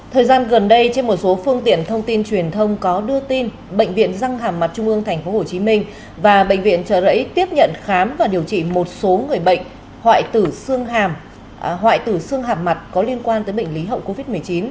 thời gian gần đây trên một số phương tiện thông tin truyền thông có đưa tin bệnh viện răng hàm mặt trung ương tp hcm và bệnh viện trợ rẫy tiếp nhận khám và điều trị một số người bệnh hoại tử xương hàm hoại tử xương hàm mặt có liên quan tới bệnh lý hậu covid một mươi chín